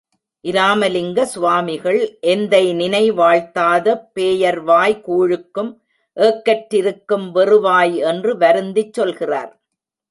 இராமலிங்க சுவாமிகள், எந்தைநினை வாழ்த்தாத பேயர்வாய் கூழுக்கும் ஏக்கற் றிருக்கும்வெறு வாய் என்று வருந்திச் சொல்கிறார்.